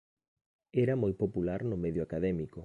Era moi popular no medio académico.